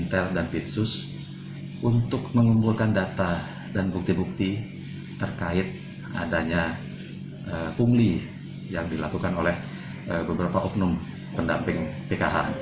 selama ini dirinya mengambil uang langsung di mesin anjungan tunai mandiri